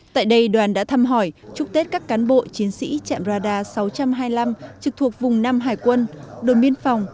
tại đây đoàn đã thăm hỏi chúc tết các cán bộ chiến sĩ trạm radar sáu trăm hai mươi năm trực thuộc vùng nam hải quân đồn biên phòng